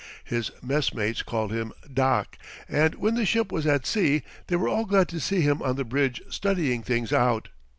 His messmates called him Doc; and when the ship was at sea they were all glad to see him on the bridge studying things out.